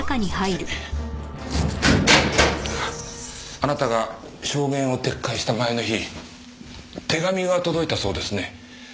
あなたが証言を撤回した前の日手紙が届いたそうですね。